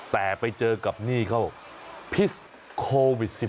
แต่ไปเจอกับหนี้เขาพิษโควิด๑๙